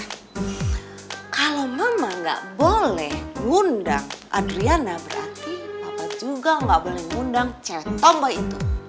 kalau memang nggak boleh ngundang adriana berarti papa juga nggak boleh ngundang cek tomboi itu